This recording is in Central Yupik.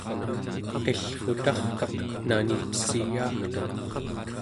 qillrutarkaq nanitessiyaagtuq